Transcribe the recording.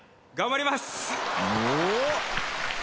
頑張ります。